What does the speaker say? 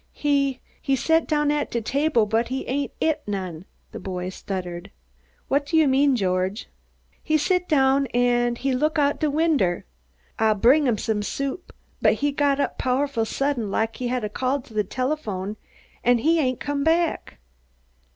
"He he set down at de table but he ain't eat none," the boy stuttered. "What do you mean, George?" "He sit down an' look out de winder. Ah brung him some soup but he got up powful sudden, lak he had a call to de telephome, an' he ain't come back."